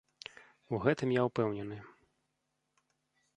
У гэтым я ўпэўнены.